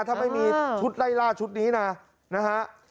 ถ้าไม่มีชุดไล่ล่าชุดนี้นะนะฮะ